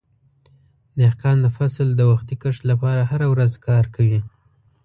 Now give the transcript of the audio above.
دهقان د فصل د وختي کښت لپاره هره ورځ کار کوي.